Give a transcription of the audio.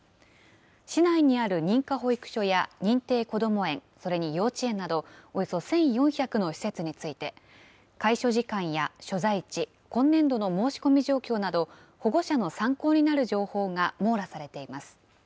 市内にある認可保育所や認定こども園、それに幼稚園など、およそ１４００の施設について、開所時間や所在地、今年度の申し込み状況など、保護者の参考になる情報が網羅されています。